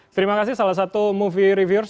terima kasih salah satu movie reviewers